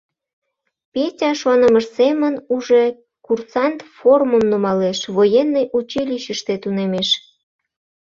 Петя шонымыж семын уже курсант формым нумалеш, военный училищыште тунемеш.